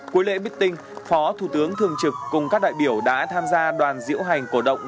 cuối lễ meeting phó thủ tướng thường trực cùng các đại biểu đã tham gia đoàn diễu hành cổ động